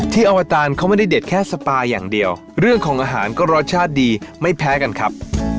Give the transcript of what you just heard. อวตารเขาไม่ได้เด็ดแค่สปาอย่างเดียวเรื่องของอาหารก็รสชาติดีไม่แพ้กันครับ